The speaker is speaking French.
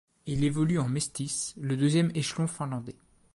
Il évolue en Mestis, le deuxième échelon finlandais.